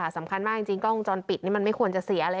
สำคัญมากจริงกล้องวงจรปิดนี่มันไม่ควรจะเสียอะไร